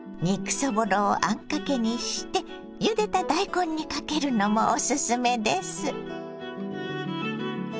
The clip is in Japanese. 肉そぼろをあんかけにしてゆでた大根にかけるのもおすすめです。